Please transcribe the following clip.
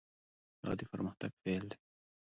دا د پرمختګ پیل دی.